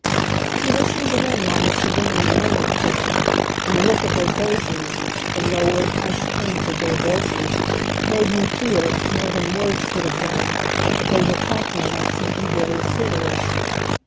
He listened again while Mr. Dingley murmured to him, and the look of their faces, the lowered, hushed tones of their voices, made me feel, more than words could have done, that they were talking about something very serious.